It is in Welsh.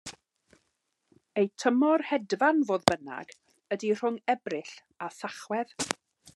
Eu tymor hedfan, fodd bynnag ydy rhwng Ebrill a Thachwedd.